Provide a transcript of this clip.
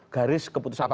garis keputusan partai